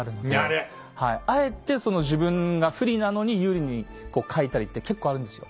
あえて自分が不利なのに有利に書いたりって結構あるんですよ。